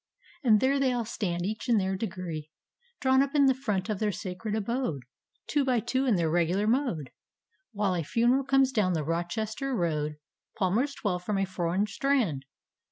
And there they all stand each in their dcgrM, Drawn up in the front of their sacred abode, Two by two in their regular mode, While a funeral comes down the Rochester road, Palmers twelve, from a foreign strand.